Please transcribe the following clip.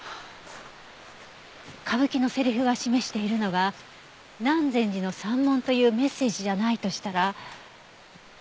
歌舞伎のセリフが示しているのが南禅寺の三門というメッセージじゃないとしたら。